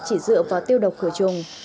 chỉ dựa vào tiêu độc khửa chùng